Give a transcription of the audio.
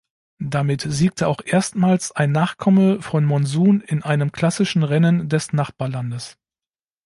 Damit siegte auch erstmals ein Nachkomme von Monsun in einem klassischen Rennen des Nachbarlandes.